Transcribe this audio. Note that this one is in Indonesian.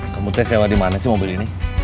kamu tes sewa di mana sih mobil ini